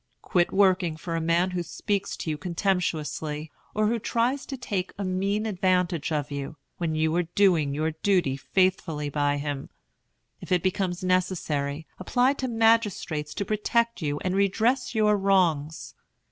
Quit working for a man who speaks to you contemptuously, or who tries to take a mean advantage of you, when you are doing your duty faithfully by him. If it becomes necessary, apply to magistrates to protect you and redress your wrongs.